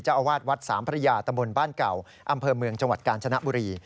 อาวาสวัดสามพระยาตำบลบ้านเก่าอำเภอเมืองจังหวัดกาญจนบุรี